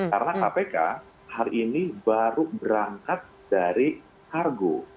karena kpk hari ini baru berangkat dari kargo